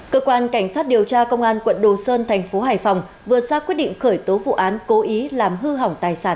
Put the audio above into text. cơ quan cảnh sát điều tra công an quận đồ sơn thành phố hải phòng vừa ra quyết định khởi tố vụ án cố ý làm hư hỏng tài sản